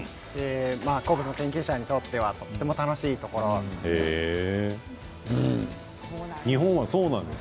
鉱物研究船とってはすごく楽しいところです。